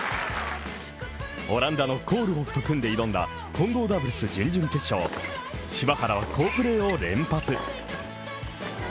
オランダのコールホフと組んで挑んだ混合ダブルス準々決勝柴原は好プレーを連発。